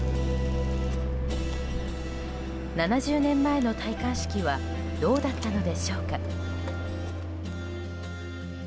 ７０年前の戴冠式はどうだったのでしょうか。